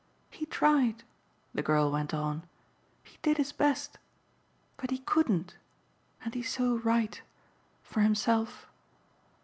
"He tried," the girl went on "he did his best. But he couldn't. And he's so right for himself."